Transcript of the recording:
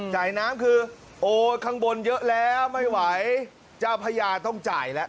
น้ำคือโอ้ข้างบนเยอะแล้วไม่ไหวเจ้าพระยาต้องจ่ายแล้ว